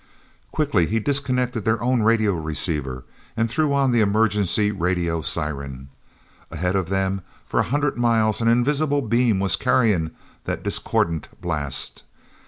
Quickly he disconnected their own radio receiver and threw on the emergency radio siren. Ahead of them for a hundred miles an invisible beam was carrying the discordant blast.